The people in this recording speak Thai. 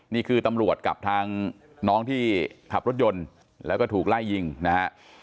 นี่คือตำรวจกับทางน้องที่ขับรถยนต์แล้วก็ถูกไล่ยิงนะฮะ